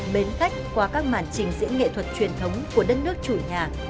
bến cách qua các màn trình diễn nghệ thuật truyền thống của đất nước chủ nhà